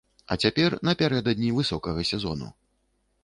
А цяпер напярэдадні высокага сезону.